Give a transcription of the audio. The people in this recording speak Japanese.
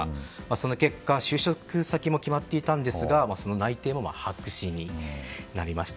その結果、就職先も決まっていたんですがその内定も白紙になりました。